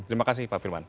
terima kasih pak firman